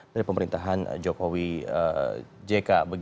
dari pemerintahan jokowi jk